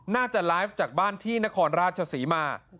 น่าจะไลฟ์จากบ้านที่นครราชศรีมา